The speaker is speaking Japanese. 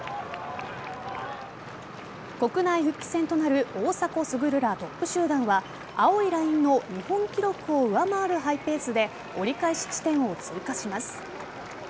国内復帰戦となる大迫傑らトップ集団は青いラインの日本記録を上回るハイペースで折り返し地点を通過します。